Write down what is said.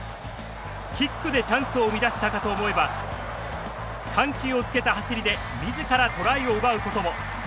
キックでチャンスを生み出したかと思えば緩急をつけた走りでみずからトライを奪うことも。